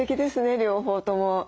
両方とも。